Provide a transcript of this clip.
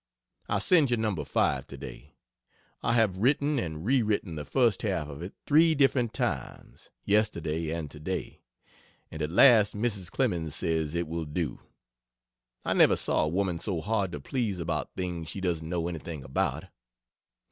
I send you No. 5 today. I have written and re written the first half of it three different times, yesterday and today, and at last Mrs. Clemens says it will do. I never saw a woman so hard to please about things she doesn't know anything about.